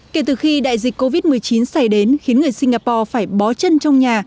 kể từ khi đại dịch covid một mươi chín xảy đến khiến người singapore phải bó chân trong nhà